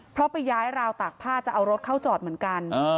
เพราะไปย้ายราวตากผ้าจะเอารถเข้าจอดเหมือนกัน